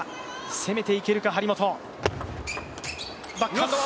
攻めていけるか張本。